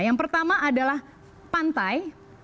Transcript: yang pertama adalah pantai